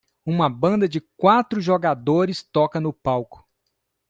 Uma banda de quatro jogadores toca no palco.